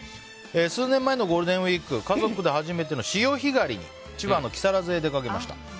数年前のゴールデンウィーク家族で初めての潮干狩りに千葉の木更津に出かけました。